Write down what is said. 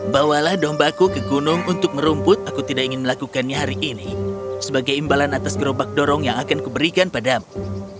bawalah dombaku ke gunung untuk merumput aku tidak ingin melakukannya hari ini sebagai imbalan atas gerobak dorong yang akan kuberikan padamu